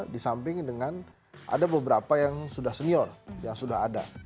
di samping dengan ada beberapa yang sudah senior yang sudah ada